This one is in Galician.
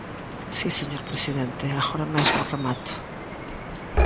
Si, señor presidente, agora mesmo remato.